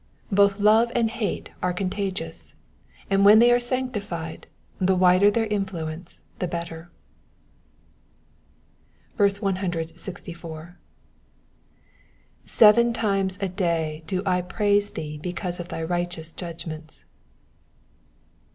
Both love and hate are contagious, and when they are sanc tified the wider their influence the better. 164. ^^ Seven times a day do I praise thee because of thy righteous judgments.''